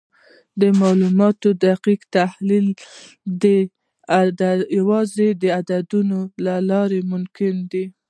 د معلوماتو دقیق تحلیل یوازې د عددونو له لارې ممکن دی.